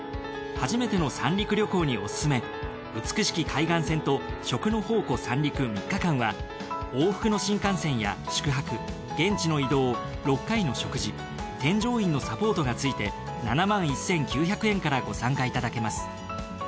はじめての三陸旅行にオススメ美しき海岸線と食の宝庫・三陸３日間は往復の新幹線や宿泊現地の移動６回の食事添乗員のサポートが付いて７１，９００円からご参加いただけます。